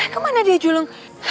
dimana dia julung